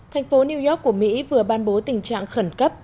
thành phố new york của mỹ vừa ban bố tình trạng khẩn cấp